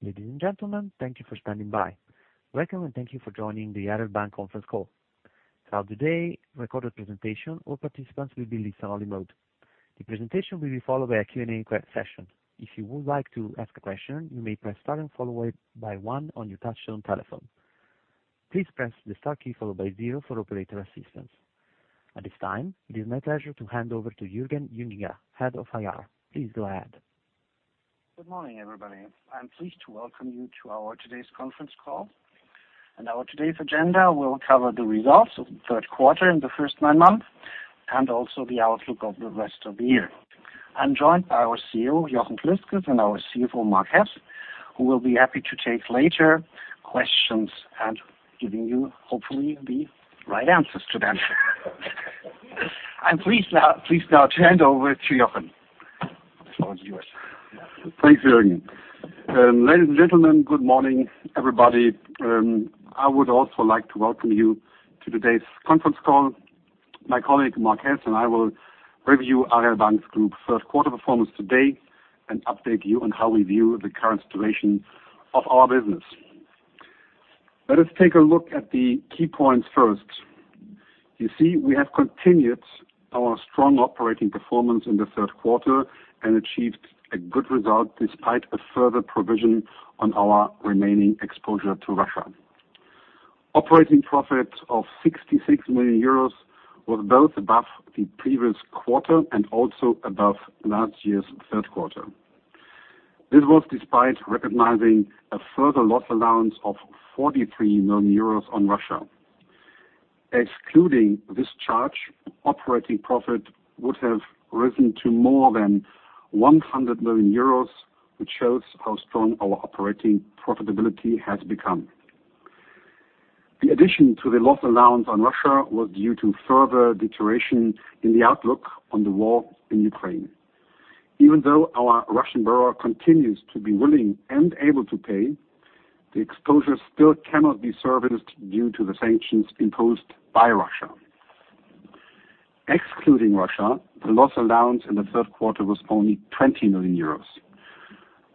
Ladies and gentlemen, thank you for standing by. Welcome, and thank you for joining the Aareal Bank conference call. Throughout today's recorded presentation, all participants will be in listen-only mode. The presentation will be followed by a Q&A session. If you would like to ask a question, you may press star one on your touchtone telephone. Please press the star key followed by zero for operator assistance. At this time, it is my pleasure to hand over to Jürgen Junginger, Head of IR. Please go ahead. Good morning, everybody. I'm pleased to welcome you to our today's conference call. Our today's agenda will cover the results of the third quarter and the first nine months, and also the outlook of the rest of the year. I'm joined by our CEO, Jochen Klösges, and our CFO, Marc Hess, who will be happy to take later questions and giving you, hopefully, the right answers to them. I'm pleased now to hand over to Jochen. The floor is yours. Thanks Jürgen. Ladies and gentlemen, good morning, everybody. I would also like to welcome you to today's conference call. My colleague, Marc Hess, and I will review Aareal Bank Group third quarter performance today and update you on how we view the current situation of our business. Let us take a look at the key points first. You see, we have continued our strong operating performance in the third quarter and achieved a good result despite a further provision on our remaining exposure to Russia. Operating profit of 66 million euros was both above the previous quarter and also above last year's third quarter. This was despite recognizing a further loss allowance of 43 million euros on Russia. Excluding this charge, operating profit would have risen to more than 100 million euros, which shows how strong our operating profitability has become. The addition to the loss allowance on Russia was due to further deterioration in the outlook on the war in Ukraine. Even though our Russian borrower continues to be willing and able to pay, the exposure still cannot be serviced due to the sanctions imposed by Russia. Excluding Russia, the loss allowance in the third quarter was only 20 million euros.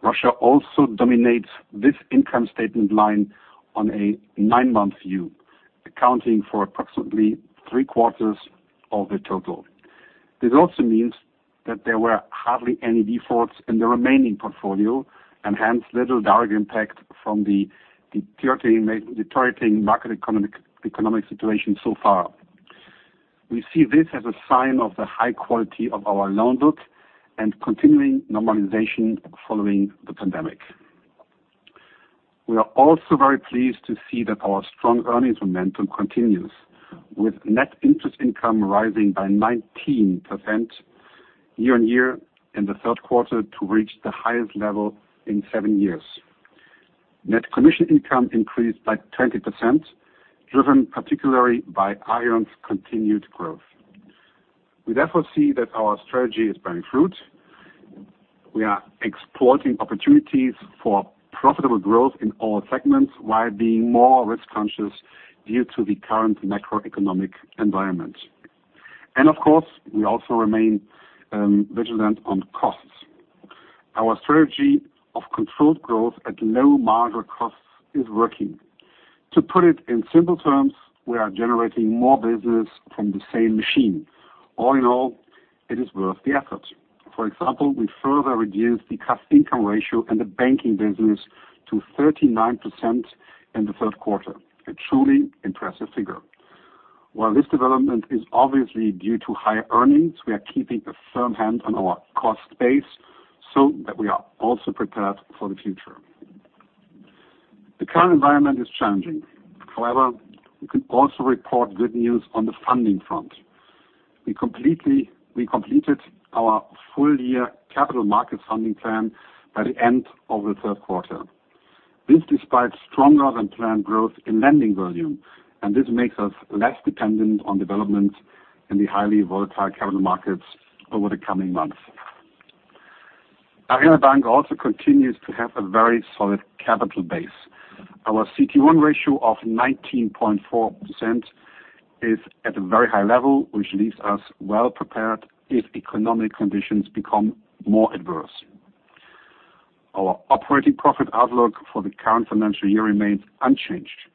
Russia also dominates this income statement line on a nine-month view, accounting for approximately three-quarters of the total. This also means that there were hardly any defaults in the remaining portfolio, and hence little direct impact from the deteriorating macroeconomic situation so far. We see this as a sign of the high quality of our loan book and continuing normalization following the pandemic. We are also very pleased to see that our strong earnings momentum continues, with net interest income rising by 19% year-on-year in the third quarter to reach the highest level in seven years. Net commission income increased by 20%, driven particularly by Aareon's continued growth. We therefore see that our strategy is bearing fruit. We are exploiting opportunities for profitable growth in all segments, while being more risk-conscious due to the current macroeconomic environment. Of course, we also remain vigilant on costs. Our strategy of controlled growth at low marginal costs is working. To put it in simple terms, we are generating more business from the same machine. All in all, it is worth the effort. For example, we further reduced the cost income ratio in the banking business to 39% in the third quarter, a truly impressive figure. While this development is obviously due to higher earnings, we are keeping a firm hand on our cost base so that we are also prepared for the future. The current environment is challenging. However, we can also report good news on the funding front. We completed our full year capital markets funding plan by the end of the third quarter. This despite stronger than planned growth in lending volume, and this makes us less dependent on development in the highly volatile capital markets over the coming months. Aareal Bank also continues to have a very solid capital base. Our CET1 ratio of 19.4% is at a very high level, which leaves us well prepared if economic conditions become more adverse. Our operating profit outlook for the current financial year remains unchanged.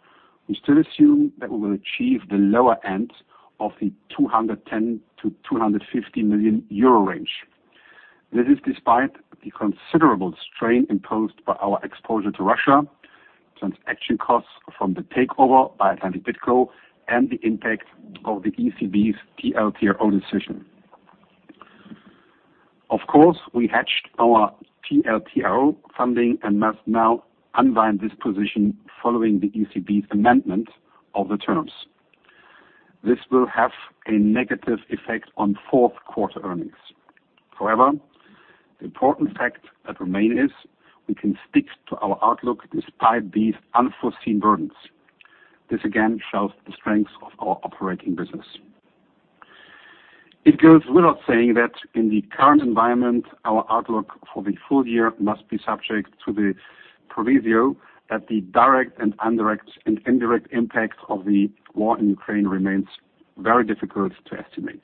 We still assume that we will achieve the lower end of the 210 million-250 million euro range. This is despite the considerable strain imposed by our exposure to Russia, transaction costs from the takeover by Atlantic BidCo, and the impact of the ECB's TLTRO decision. Of course, we hedged our TLTRO funding and must now unwind this position following the ECB's amendment of the terms. This will have a negative effect on fourth quarter earnings. However, the important fact that remain is we can stick to our outlook despite these unforeseen burdens. This again shows the strengths of our operating business. It goes without saying that in the current environment, our outlook for the full year must be subject to the proviso that the direct and indirect impact of the war in Ukraine remains very difficult to estimate.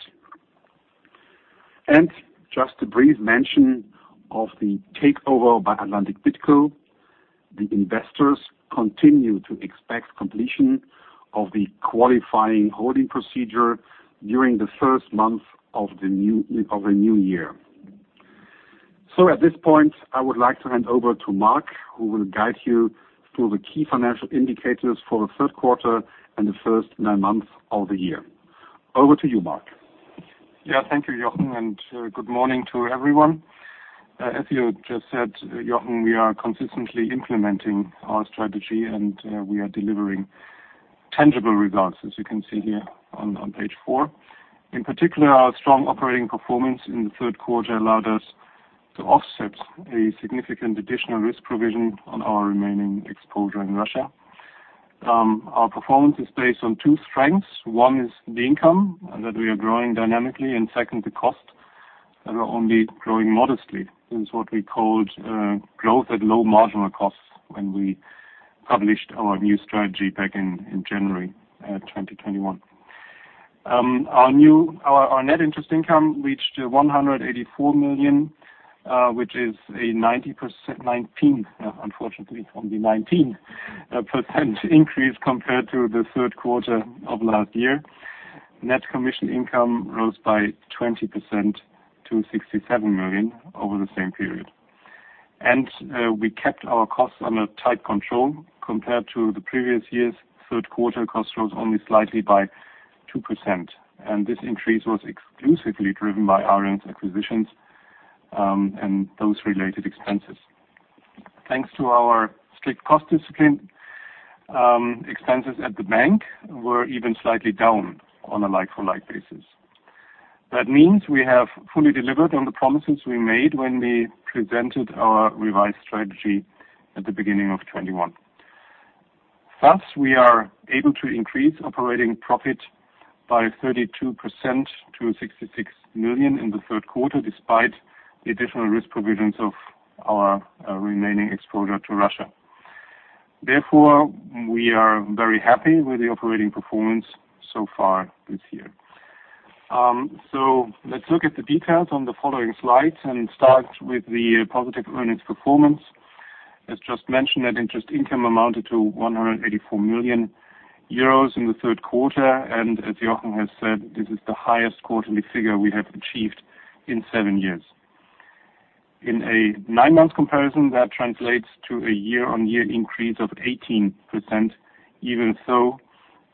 Just a brief mention of the takeover by Atlantic BidCo. The investors continue to expect completion of the qualifying holding procedure during the first month of the new year. At this point, I would like to hand over to Marc, who will guide you through the key financial indicators for the third quarter and the first nine months of the year. Over to you, Marc. Yeah. Thank you, Jochen, and good morning to everyone. As you just said, Jochen, we are consistently implementing our strategy, and we are delivering tangible results, as you can see here on page four. In particular, our strong operating performance in the third quarter allowed us to offset a significant additional risk provision on our remaining exposure in Russia. Our performance is based on two strengths. One is the income, and that we are growing dynamically. Second, the costs that are only growing modestly. This is what we called growth at low marginal costs when we published our new strategy back in January 2021. Our net interest income reached 184 million, which is a 19%, unfortunately, it's only 19% increase compared to the third quarter of last year. Net commission income rose by 20% to 67 million over the same period. We kept our costs under tight control compared to the previous year's third quarter cost rose only slightly by 2%, and this increase was exclusively driven by Aareon's acquisitions, and those related expenses. Thanks to our strict cost discipline, expenses at the bank were even slightly down on a like-for-like basis. That means we have fully delivered on the promises we made when we presented our revised strategy at the beginning of 2021. Thus, we are able to increase operating profit by 32% to 66 million in the third quarter, despite the additional risk provisions of our remaining exposure to Russia. Therefore, we are very happy with the operating performance so far this year. So let's look at the details on the following slides and start with the positive earnings performance. As just mentioned, net interest income amounted to 184 million euros in the third quarter. As Jochen has said, this is the highest quarterly figure we have achieved in seven years. In a nine-month comparison, that translates to a year-on-year increase of 18%. Even so,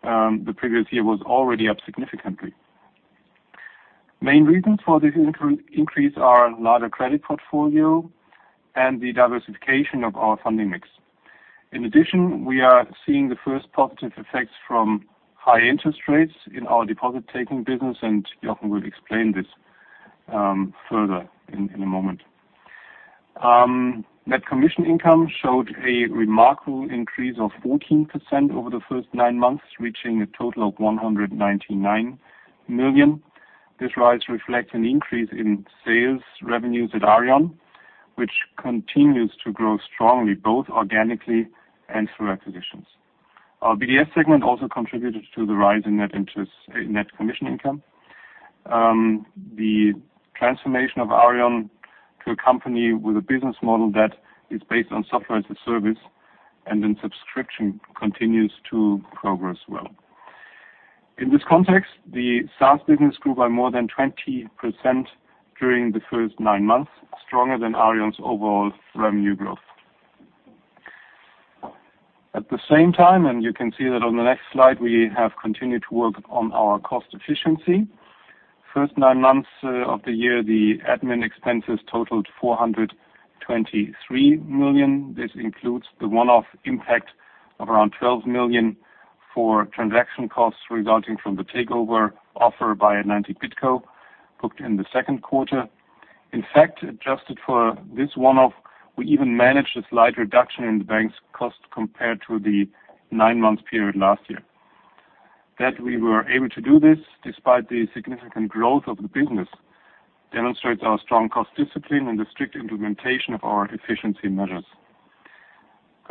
the previous year was already up significantly. Main reasons for this increase are larger credit portfolio and the diversification of our funding mix. In addition, we are seeing the first positive effects from high interest rates in our deposit-taking business, and Jochen will explain this further in a moment. Net commission income showed a remarkable increase of 14% over the first nine months, reaching a total of 199 million. This rise reflects an increase in sales revenues at Aareon, which continues to grow strongly, both organically and through acquisitions. Our BDS segment also contributed to the rise in net commission income. The transformation of Aareon to a company with a business model that is based on software as a service and in subscription continues to progress well. In this context, the SaaS business grew by more than 20% during the first nine months, stronger than Aareon's overall revenue growth. At the same time, and you can see that on the next slide, we have continued to work on our cost efficiency. First nine months of the year, the admin expenses totaled 423 million. This includes the one-off impact of around 12 million for transaction costs resulting from the takeover offer by Atlantic BidCo booked in the second quarter. In fact, adjusted for this one-off, we even managed a slight reduction in the bank's cost compared to the nine-month period last year. That we were able to do this despite the significant growth of the business demonstrates our strong cost discipline and the strict implementation of our efficiency measures.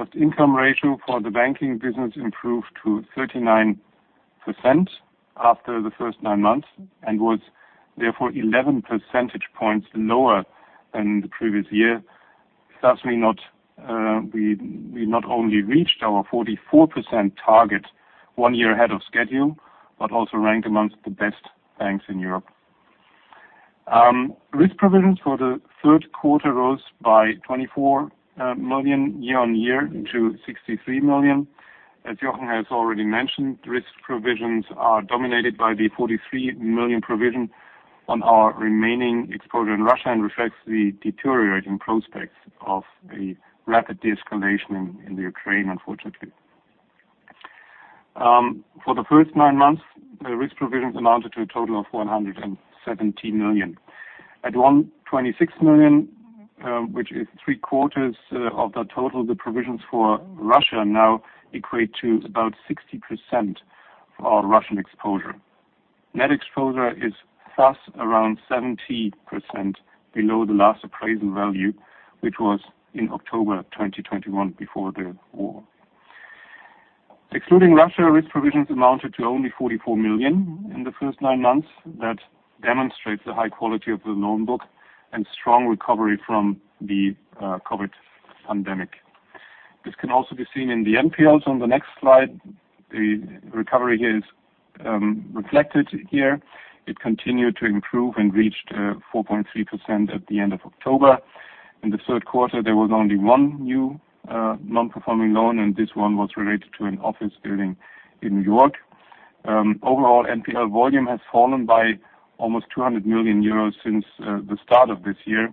Cost income ratio for the banking business improved to 39% after the first nine months and was therefore 11 percentage points lower than the previous year. Thus we not only reached our 44% target one year ahead of schedule but also ranked among the best banks in Europe. Risk provisions for the third quarter rose by 24 million year-over-year to 63 million. As Jochen has already mentioned, risk provisions are dominated by the 43 million provision on our remaining exposure in Russia and reflects the deteriorating prospects of a rapid de-escalation in the Ukraine, unfortunately. For the first nine months, risk provisions amounted to a total of 170 million. At 126 million, which is three-quarters of the total, the provisions for Russia now equate to about 60% of our Russian exposure. Net exposure is thus around 70% below the last appraisal value, which was in October 2021 before the war. Excluding Russia, risk provisions amounted to only 44 million in the first nine months. That demonstrates the high quality of the loan book and strong recovery from the COVID pandemic. This can also be seen in the NPLs on the next slide. The recovery here is reflected here. It continued to improve and reached 4.3% at the end of October. In the third quarter, there was only one new non-performing loan, and this one was related to an office building in New York. Overall, NPL volume has fallen by almost 200 million euros since the start of this year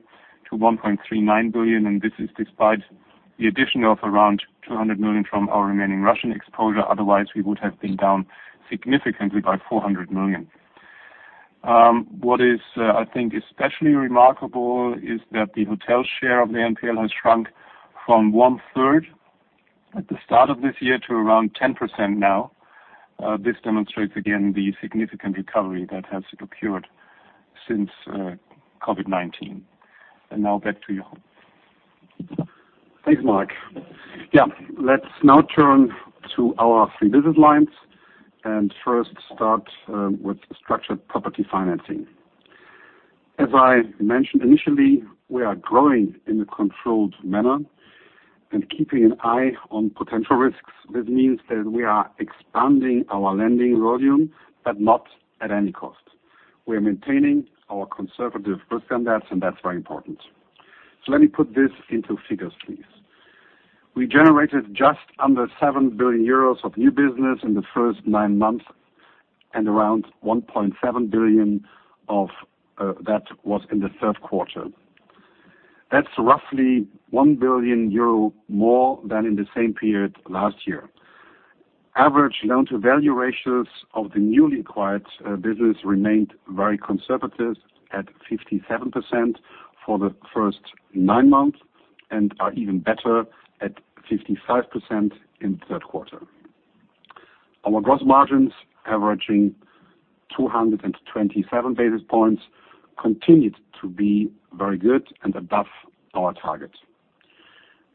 to 1.39 billion, and this is despite the addition of around 200 million from our remaining Russian exposure. Otherwise, we would have been down significantly by 400 million. What is, I think especially remarkable is that the hotel share of the NPL has shrunk from one-third at the start of this year to around 10% now. This demonstrates again the significant recovery that has occurred since COVID-19. Now back to you. Thanks Mark. Yeah. Let's now turn to our three business lines and first start with the structured property financing. As I mentioned initially, we are growing in a controlled manner and keeping an eye on potential risks. This means that we are expanding our lending volume, but not at any cost. We are maintaining our conservative risk standards, and that's very important. Let me put this into figures please. We generated just under 7 billion euros of new business in the first nine months, and around 1.7 billion of that was in the third quarter. That's roughly 1 billion euro more than in the same period last year. Average loan-to-value ratios of the newly acquired business remained very conservative at 57% for the first nine months and are even better at 55% in the third quarter. Our gross margins averaging 227 basis points continued to be very good and above our target.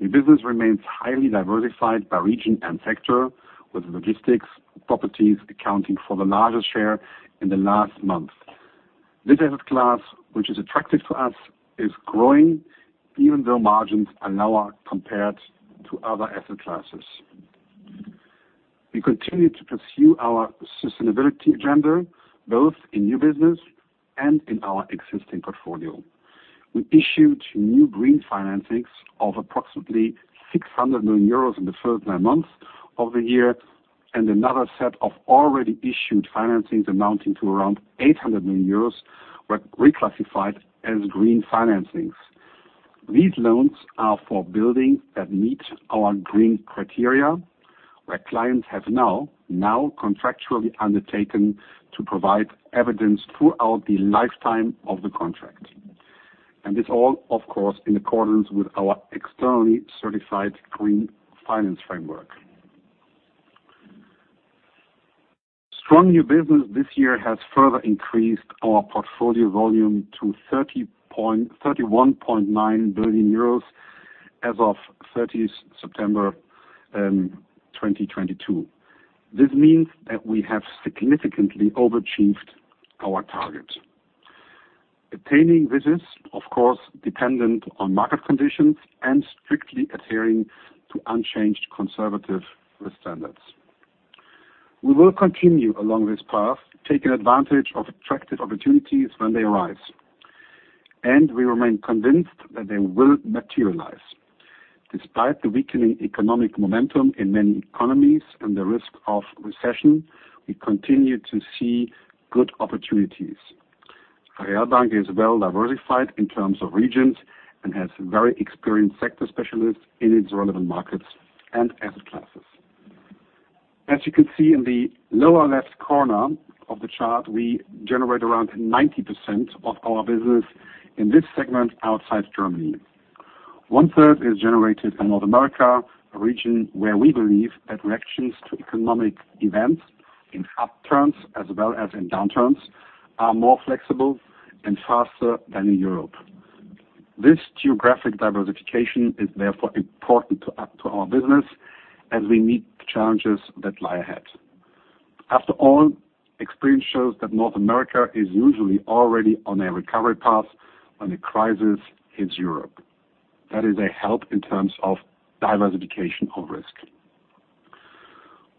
New business remains highly diversified by region and sector, with logistics properties accounting for the largest share in the last month. This asset class, which is attractive to us, is growing even though margins are lower compared to other asset classes. We continue to pursue our sustainability agenda, both in new business and in our existing portfolio. We issued new green financings of approximately 600 million euros in the first nine months of the year, and another set of already issued financings amounting to around 800 million euros were reclassified as green financings. These loans are for buildings that meet our green criteria, where clients have now contractually undertaken to provide evidence throughout the lifetime of the contract. It's all, of course, in accordance with our externally certified green finance framework. Strong new business this year has further increased our portfolio volume to 31.9 billion euros as of 30 September 2022. This means that we have significantly overachieved our target. Attaining this is of course dependent on market conditions and strictly adhering to unchanged conservative risk standards. We will continue along this path, taking advantage of attractive opportunities when they arise, and we remain convinced that they will materialize. Despite the weakening economic momentum in many economies and the risk of recession, we continue to see good opportunities. Aareal Bank is well diversified in terms of regions and has very experienced sector specialists in its relevant markets and asset classes. As you can see in the lower left corner of the chart, we generate around 90% of our business in this segment outside Germany. 1/3 is generated in North America, a region where we believe that reactions to economic events in upturns as well as in downturns are more flexible and faster than in Europe. This geographic diversification is therefore important to our business as we meet the challenges that lie ahead. After all, experience shows that North America is usually already on a recovery path when a crisis hits Europe. That is a help in terms of diversification of risk.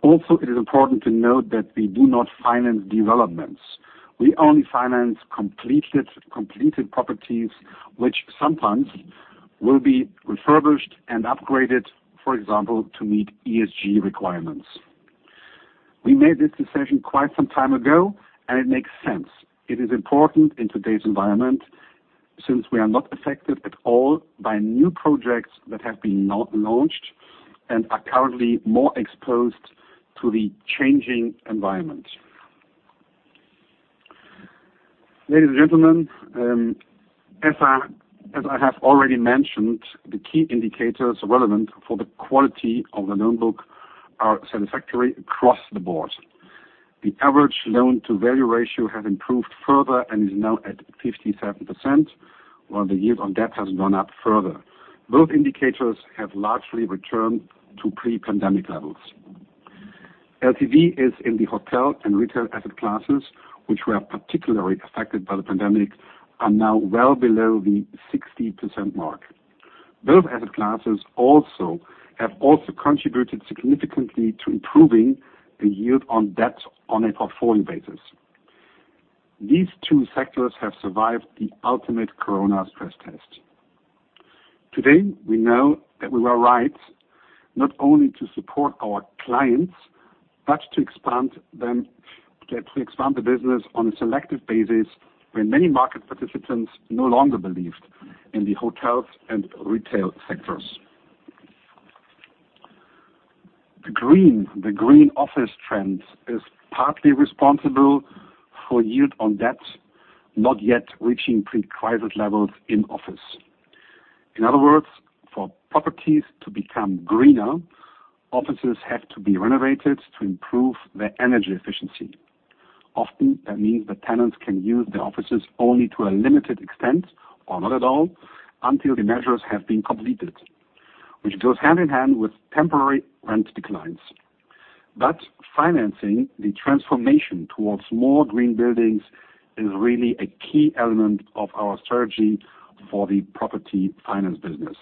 Also, it is important to note that we do not finance developments. We only finance completed properties which sometimes will be refurbished and upgraded, for example, to meet ESG requirements. We made this decision quite some time ago, and it makes sense. It is important in today's environment, since we are not affected at all by new projects that have not been launched and are currently more exposed to the changing environment. Ladies and gentlemen, as I have already mentioned, the key indicators relevant for the quality of the loan book are satisfactory across the board. The average loan to value ratio has improved further and is now at 57%, while the yield on debt has gone up further. Both indicators have largely returned to pre-pandemic levels. LTVs in the hotel and retail asset classes, which were particularly affected by the pandemic, are now well below the 60% mark. Both asset classes have also contributed significantly to improving the yield on debt on a portfolio basis. These two sectors have survived the ultimate corona stress test. Today, we know that we were right not only to support our clients, but to expand the business on a selective basis when many market participants no longer believed in the hotels and retail sectors. The green office trend is partly responsible for yield on debt not yet reaching pre-crisis levels in office. In other words, for properties to become greener, offices have to be renovated to improve their energy efficiency. Often, that means the tenants can use the offices only to a limited extent or not at all until the measures have been completed, which goes hand in hand with temporary rent declines. But financing the transformation towards more green buildings is really a key element of our strategy for the property finance business.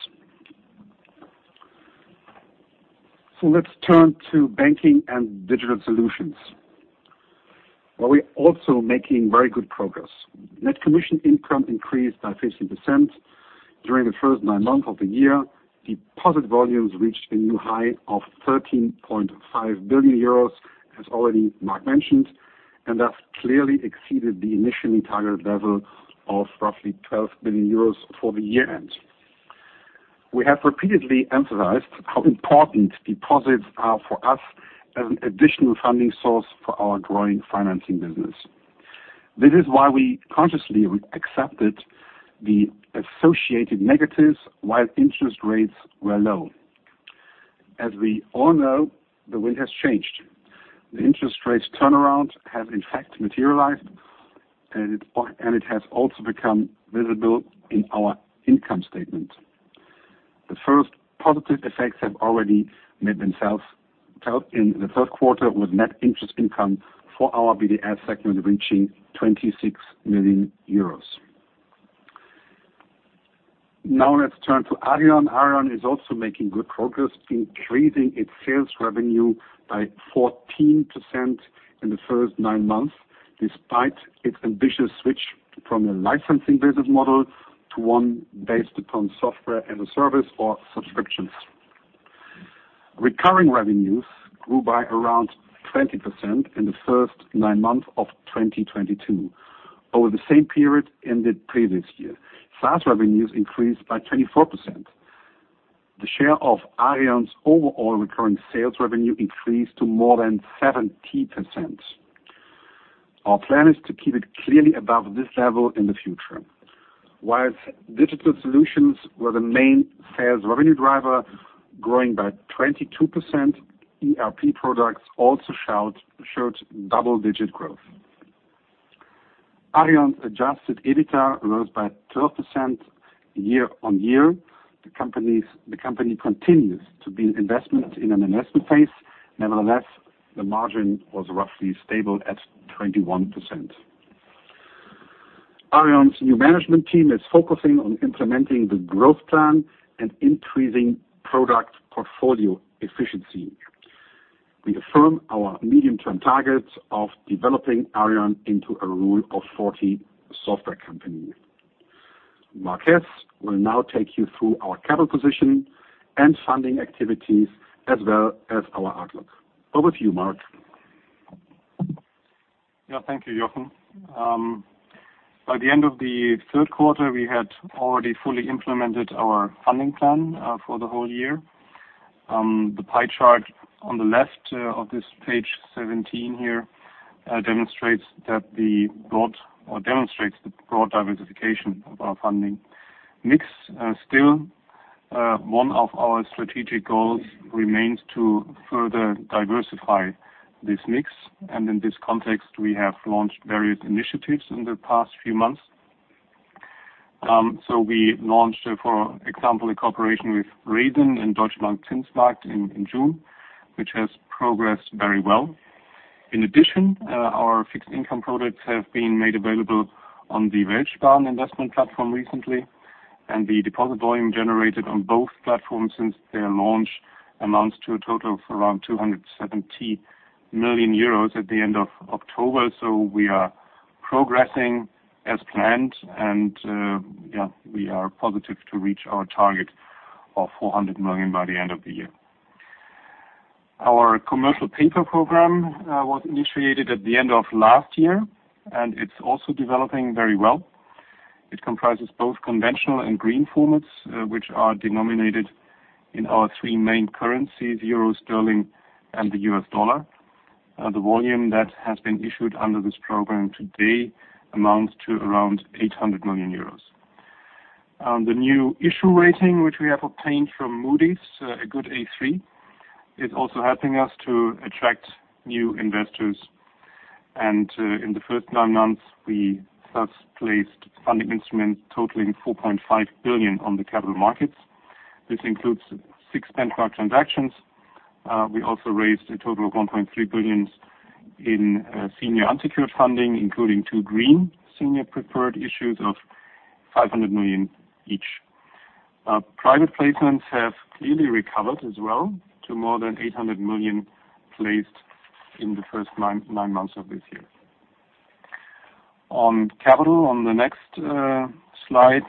Let's turn to banking and digital solutions, where we're also making very good progress. Net commission income increased by 15% during the first nine months of the year. Deposit volumes reached a new high of 13.5 billion euros, as already Mark mentioned, and that clearly exceeded the initially targeted level of roughly 12 billion euros for the year-end. We have repeatedly emphasized how important deposits are for us as an additional funding source for our growing financing business. This is why we consciously accepted the associated negatives while interest rates were low. As we all know, the wind has changed. The interest rates turnaround have in fact materialized, and it has also become visible in our income statement. The first positive effects have already made themselves felt in the third quarter with net interest income for our BDS segment reaching 26 million euros. Now let's turn to Aareon. Aareon is also making good progress, increasing its sales revenue by 14% in the first nine months, despite its ambitious switch from a licensing business model to one based upon software as a service or subscriptions. Recurring revenues grew by around 20% in the first nine months of 2022 over the same period in the previous year. SaaS revenues increased by 24%. The share of Aareon's overall recurring sales revenue increased to more than 70%. Our plan is to keep it clearly above this level in the future. While digital solutions were the main sales revenue driver, growing by 22%, ERP products also showed double-digit growth. Aareon's adjusted EBITDA rose by 12% year-on-year. The company continues to be an investment in an investment phase. Nevertheless, the margin was roughly stable at 21%. Aareon's new management team is focusing on implementing the growth plan and increasing product portfolio efficiency. We affirm our medium-term targets of developing Aareon into a Rule of 40 software company. Marc will now take you through our capital position and funding activities as well as our outlook. Over to you, Marc. Yeah. Thank you, Jochen. By the end of the third quarter, we had already fully implemented our funding plan for the whole year. The pie chart on the left of this page 17 here demonstrates the broad diversification of our funding mix. Still, one of our strategic goals remains to further diversify this mix. In this context, we have launched various initiatives in the past few months. We launched, for example, a cooperation with Raisin and Deutsche Bank ZinsMarkt in June, which has progressed very well. In addition, our fixed income products have been made available on the WeltSparen investment platform recently, and the deposit volume generated on both platforms since their launch amounts to a total of around 270 million euros at the end of October. We are progressing as planned and we are positive to reach our target of 400 million by the end of the year. Our commercial paper program was initiated at the end of last year, and it's also developing very well. It comprises both conventional and green formats, which are denominated in our three main currencies, euro, sterling, and the US dollar. The volume that has been issued under this program today amounts to around 800 million euros. The new issue rating, which we have obtained from Moody's, a good A3, is also helping us to attract new investors. In the first nine months, we first placed funding instruments totaling 4.5 billion on the capital markets. This includes six benchmark transactions. We also raised a total of 1.3 billion in senior unsecured funding, including two green senior preferred issues of 500 million each. Private placements have clearly recovered as well to more than 800 million placed in the first nine months of this year. On the next slide,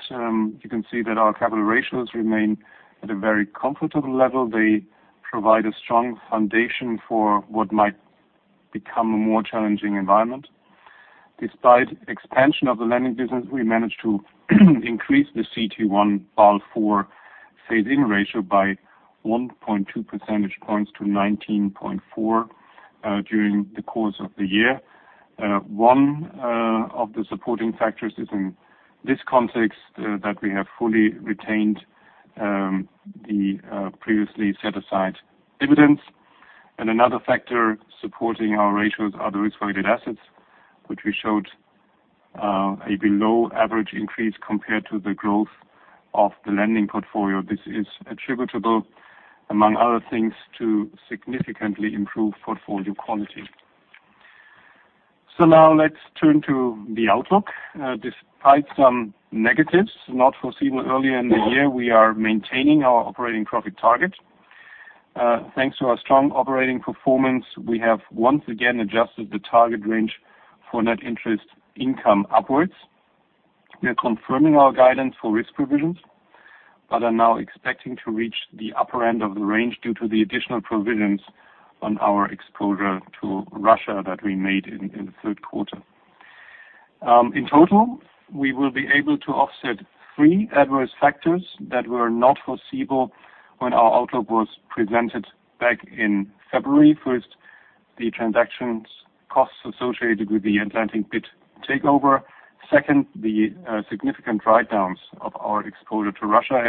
you can see that our capital ratios remain at a very comfortable level. They provide a strong foundation for what might become a more challenging environment. Despite expansion of the lending business, we managed to increase the CET1 Basel IV fade-in ratio by 1.2 percentage points to 19.4% during the course of the year. One of the supporting factors is in this context that we have fully retained the previously set aside dividends. Another factor supporting our ratios are the risk-weighted assets, which we showed a below average increase compared to the growth of the lending portfolio. This is attributable, among other things, to significantly improve portfolio quality. Now let's turn to the outlook. Despite some negatives not foreseeable earlier in the year, we are maintaining our operating profit target. Thanks to our strong operating performance, we have once again adjusted the target range for net interest income upwards. We are confirming our guidance for risk provisions, but are now expecting to reach the upper end of the range due to the additional provisions on our exposure to Russia that we made in the third quarter. In total, we will be able to offset three adverse factors that were not foreseeable when our outlook was presented back in February. First the transaction costs associated with the Atlantic BidCo takeover. Second, the significant write-downs of our exposure to Russia.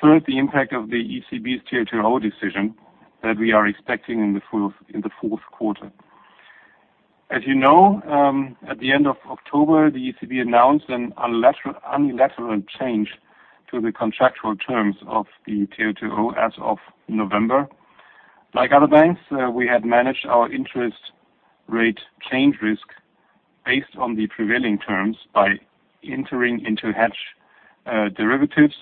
Third, the impact of the ECB's TLTRO decision that we are expecting in the fourth quarter. As you know, at the end of October, the ECB announced a unilateral change to the contractual terms of the TLTRO as of November. Like other banks, we had managed our interest rate change risk based on the prevailing terms by entering into hedge derivatives.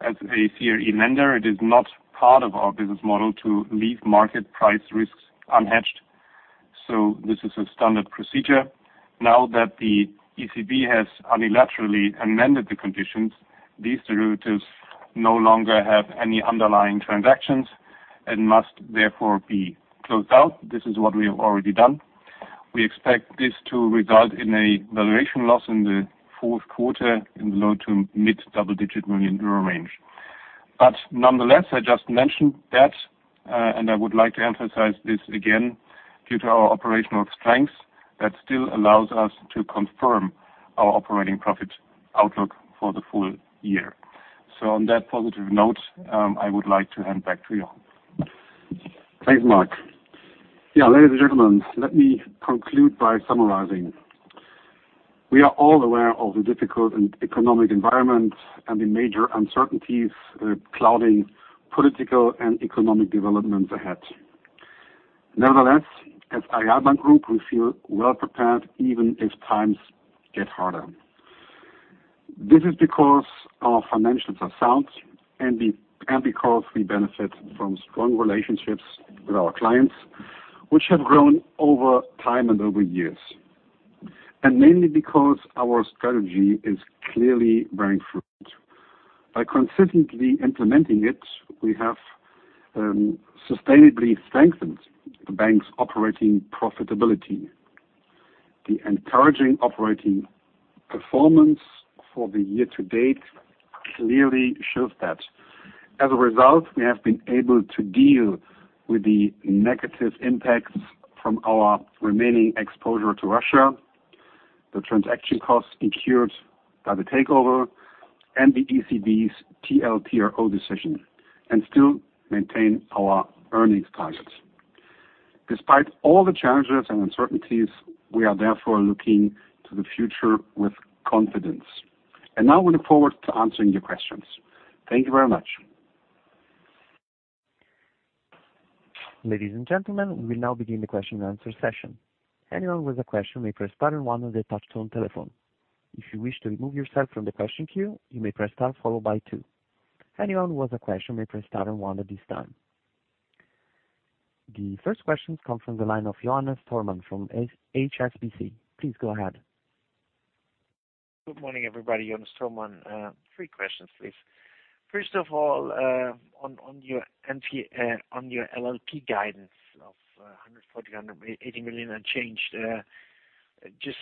As a CRE lender, it is not part of our business model to leave market price risks unhedged. This is a standard procedure. Now that the ECB has unilaterally amended the conditions, these derivatives no longer have any underlying transactions and must therefore be closed out. This is what we have already done. We expect this to result in a valuation loss in the fourth quarter in the low to mid-double-digit million euro range. Nonetheless, I just mentioned that, and I would like to emphasize this again, due to our operational strengths, that still allows us to confirm our operating profit outlook for the full year. On that positive note, I would like to hand back to you. Thanks Marc. Yeah, ladies and gentlemen, let me conclude by summarizing. We are all aware of the difficult economic environment and the major uncertainties clouding political and economic developments ahead. Nevertheless, as Aareal Bank Group, we feel well prepared even if times get harder. This is because our financials are sound and because we benefit from strong relationships with our clients, which have grown over time and over years. Mainly because our strategy is clearly bearing fruit. By consistently implementing it, we have sustainably strengthened the bank's operating profitability. The encouraging operating performance for the year to date clearly shows that. As a result, we have been able to deal with the negative impacts from our remaining exposure to Russia, the transaction costs incurred by the takeover, and the ECB's TLTRO decision, and still maintain our earnings targets. Despite all the challenges and uncertainties, we are therefore looking to the future with confidence. Now we look forward to answering your questions. Thank you very much. Ladies and gentlemen, we will now begin the question and answer session. Anyone with a question may press star and one on the touchtone telephone. If you wish to remove yourself from the question queue, you may press star followed by two. Anyone with a question may press star and one at this time. The first question comes from the line of Johannes Thormann from HSBC. Please go ahead. Good morning, everybody. Johannes Thormann. Three questions, please. First of all, on your LLP guidance of 140 million-180 million unchanged, just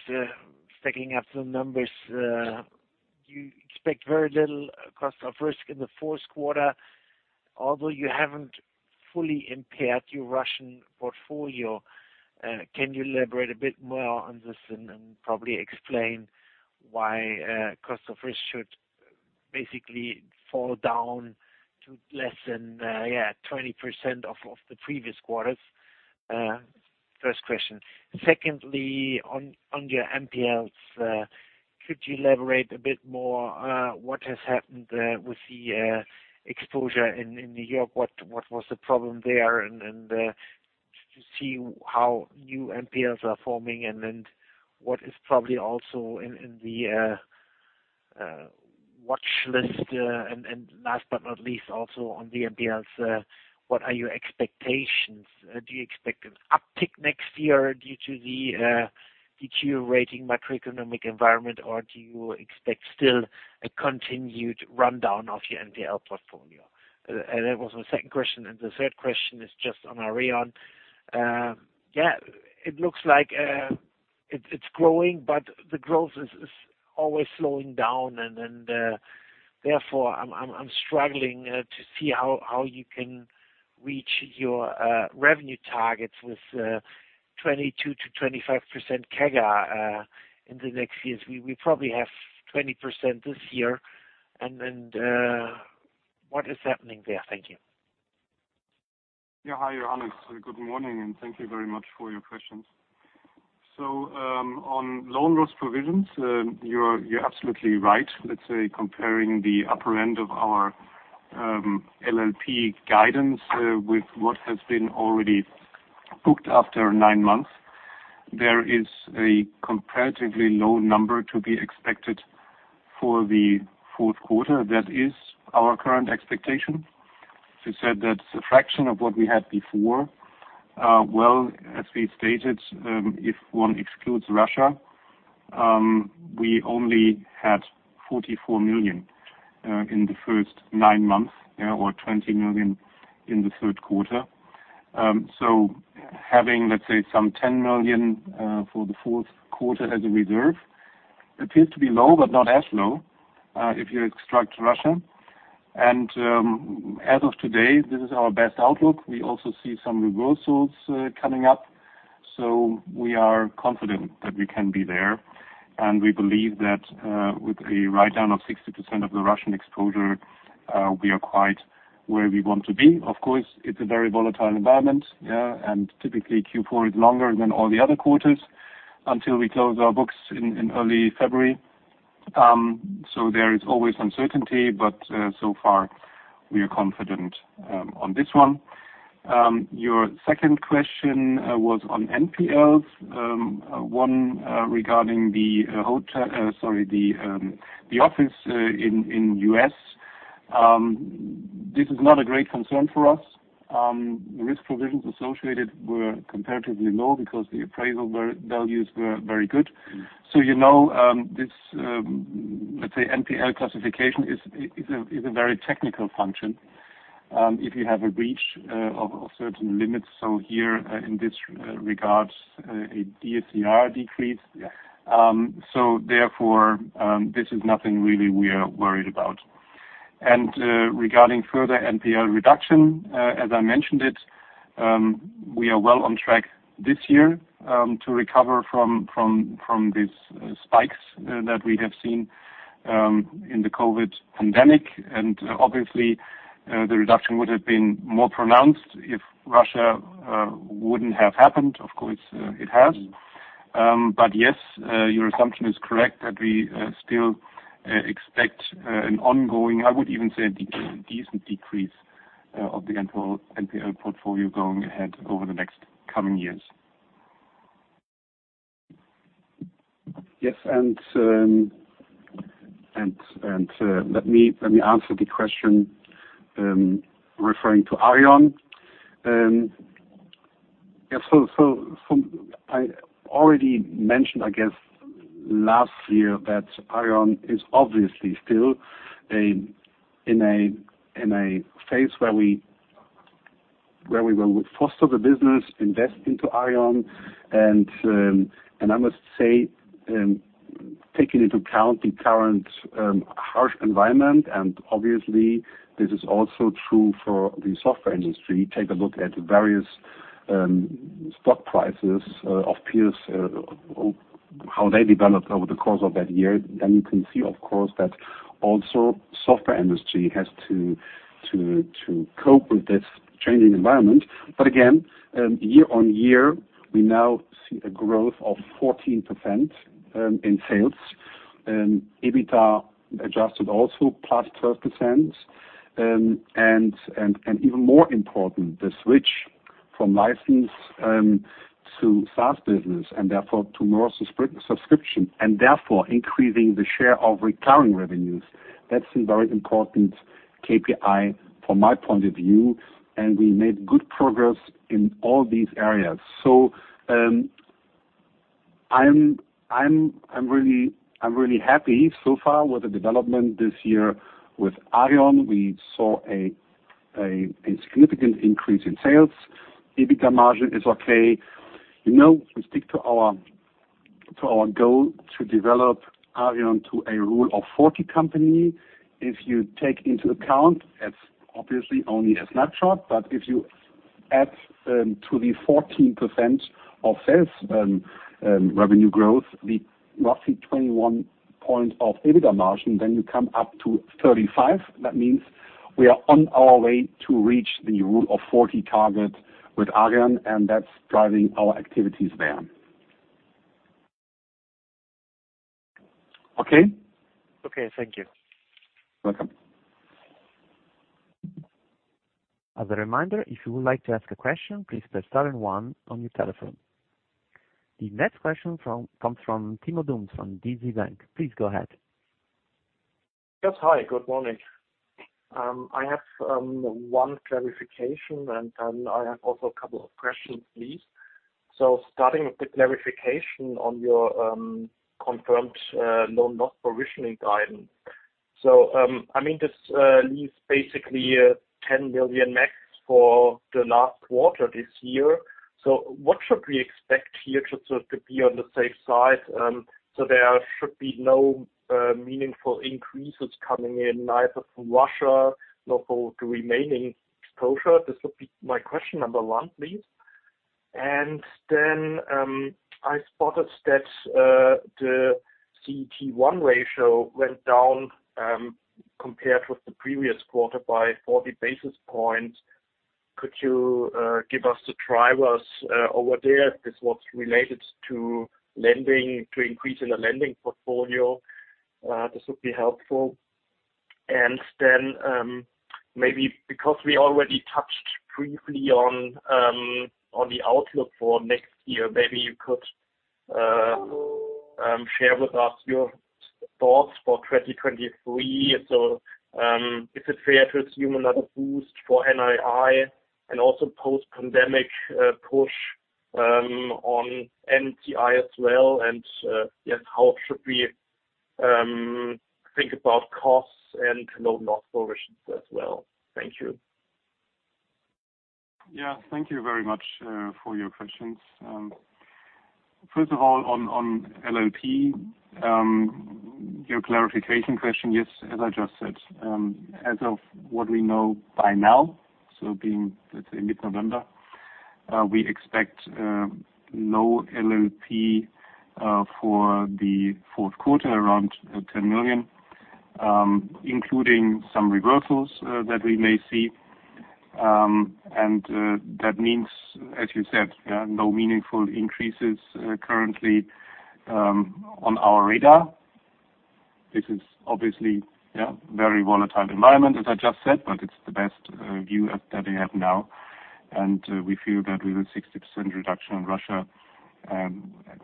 stacking up the numbers, you expect very little cost of risk in the fourth quarter. Although you haven't fully impaired your Russian portfolio, can you elaborate a bit more on this and probably explain why cost of risk should basically fall down to less than 20% of the previous quarters? First question. Secondly, on your NPLs, could you elaborate a bit more what has happened with the exposure in New York? What was the problem there? To see how new NPLs are forming and then what is probably also in the watchlist. Last but not least, also on the NPLs, what are your expectations? Do you expect an uptick next year due to the deteriorating macroeconomic environment, or do you expect still a continued rundown of your NPL portfolio? That was my second question, and the third question is just on Aareon. Yeah, it looks like it's growing, but the growth is always slowing down and then therefore I'm struggling to see how you can reach your revenue targets with 22%-25% CAGR in the next years. We probably have 20% this year and then what is happening there? Thank you. Yeah. Hi, Johannes. Good morning, and thank you very much for your questions. On loan loss provisions, you're absolutely right. Let's say comparing the upper end of our LLP guidance with what has been already booked after nine months, there is a comparatively low number to be expected for the fourth quarter. That is our current expectation. As you said, that's a fraction of what we had before. Well, as we stated, if one excludes Russia, we only had 44 million in the first nine months or 20 million in the third quarter. Having, let's say, some 10 million for the fourth quarter as a reserve appears to be low, but not as low if you extract Russia. As of today, this is our best outlook. We also see some reversals coming up, so we are confident that we can be there. We believe that with a write-down of 60% of the Russian exposure we are quite where we want to be. Of course, it's a very volatile environment and typically Q4 is longer than all the other quarters until we close our books in early February. There is always uncertainty, but so far we are confident on this one. Your second question was on NPLs, one regarding the office in the U.S. This is not a great concern for us. The risk provisions associated were comparatively low because the appraisal values were very good. You know, let's say NPL classification is a very technical function if you have a breach of certain limits. Here, in this regard, a DSCR decrease. Yeah. Therefore, this is nothing really we are worried about. Regarding further NPL reduction, as I mentioned it, we are well on track this year to recover from these spikes that we have seen in the COVID pandemic. Obviously, the reduction would have been more pronounced if Russia wouldn't have happened. Of course, it has. Yes, your assumption is correct that we still expect an ongoing, I would even say a decent decrease of the NPL portfolio going ahead over the next coming years. Yes. Let me answer the question referring to Aareon. I already mentioned, I guess, last year that Aareon is obviously still in a phase where we will foster the business, invest into Aareon. I must say, taking into account the current harsh environment, and obviously this is also true for the software industry. Take a look at the various stock prices of peers, how they developed over the course of that year. Then you can see, of course, that also software industry has to cope with this changing environment. Again, year-on-year, we now see a growth of 14% in sales and EBITDA adjusted also +12%. Even more important, the switch from license to SaaS business and therefore to more subscription and therefore increasing the share of recurring revenues. That's a very important KPI from my point of view, and we made good progress in all these areas. I'm really happy so far with the development this year with Aareon. We saw a significant increase in sales. EBITDA margin is okay. You know, we stick to our To our goal to develop Aareon to a Rule of 40 company. If you take into account, it's obviously only a snapshot, but if you add to the 14% sales revenue growth, the roughly 21% EBITDA margin, then you come up to 35. That means we are on our way to reach the Rule of 40 target with Aareon, and that's driving our activities there. Okay? Okay. Thank you. Welcome. As a reminder, if you would like to ask a question, please press star and one on your telephone. The next question comes from Timo Dums from DZ Bank. Please go ahead. Yes. Hi, good morning. I have one clarification, and then I have also a couple of questions, please. Starting with the clarification on your confirmed loan loss provisioning guidance. I mean, this leaves basically a 10 billion max for the last quarter this year. What should we expect here to be on the safe side, so there should be no meaningful increases coming in, neither from Russia nor for the remaining exposure? This would be my question number one, please. I spotted that the CET1 ratio went down compared with the previous quarter by 40 basis points. Could you give us the drivers over there? If this was related to lending, to increase in the lending portfolio? This would be helpful. Maybe because we already touched briefly on the outlook for next year, maybe you could share with us your thoughts for 2023. Is it fair to assume another boost for NII and also post-pandemic push on NCI as well? Yes, how should we think about costs and loan loss provisions as well? Thank you. Thank you very much for your questions. First of all, on LLP, your clarification question, yes, as I just said, as of what we know by now, so being let's say mid-November, we expect low LLP for the fourth quarter, around 10 million, including some reversals that we may see. That means, as you said, no meaningful increases currently on our radar. This is obviously a very volatile environment, as I just said, but it's the best view that we have now. We feel that with a 60% reduction in Russia,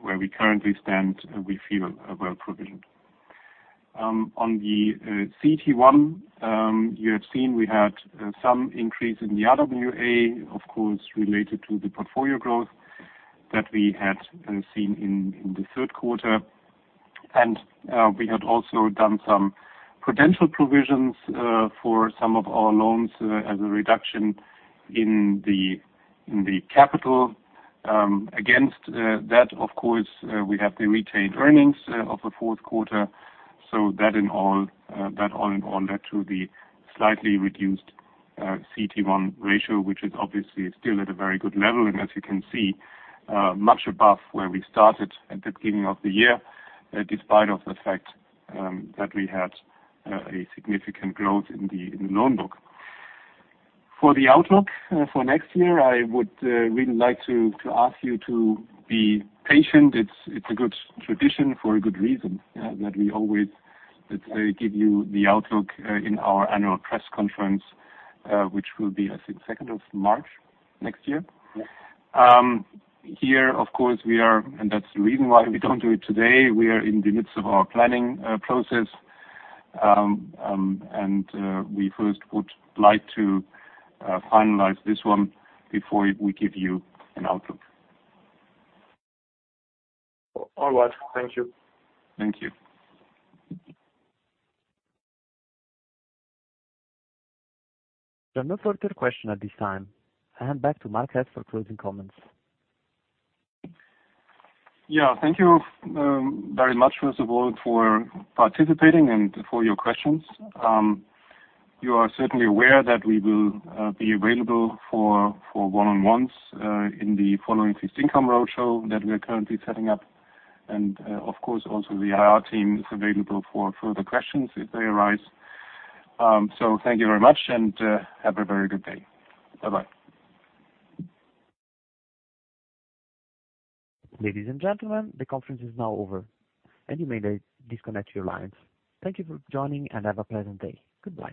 where we currently stand, we feel well-provisioned. On the CET1, you have seen, we had some increase in the RWA, of course, related to the portfolio growth that we had seen in the third quarter. We had also done some credit provisions for some of our loans as a reduction in the capital. Against that, of course, we have the retained earnings of the fourth quarter. That in all that on that to the slightly reduced CET1 ratio, which is obviously still at a very good level, and as you can see, much above where we started at the beginning of the year, despite of the fact that we had a significant growth in the loan book. For the outlook for next year, I would really like to ask you to be patient. It's a good tradition for a good reason that we always, let's say, give you the outlook in our annual press conference, which will be, I think, the second of March next year. Here, of course, that's the reason why we don't do it today. We are in the midst of our planning process. We first would like to finalize this one before we give you an outlook. All right. Thank you. Thank you. There are no further questions at this time. I hand back to Marc Hess for closing comments. Yeah. Thank you, very much, first of all, for participating and for your questions. You are certainly aware that we will be available for one-on-ones in the following fixed income roadshow that we are currently setting up. Of course, also the IR team is available for further questions if they arise. Thank you very much and have a very good day. Bye-bye. Ladies and gentlemen, the conference is now over and you may disconnect your lines. Thank you for joining, and have a pleasant day. Goodbye.